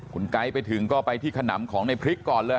คุณไก๊ไปถึงก็ไปที่ขนำของในพริกก่อนเลย